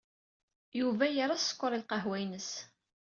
Yuba yerra sskeṛ i lqahwa-ines.